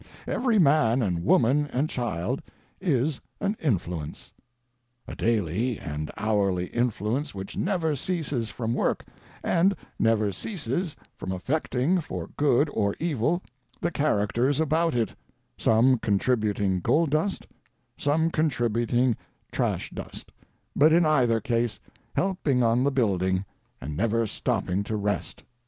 Every man and woman and child is an influence; a daily and hourly influence which never ceases from work, and never ceases from affecting for good or evil the characters about it — some contributing gold dust, some contributing trash dust, but in either case helping on the building, and never stopping to rest.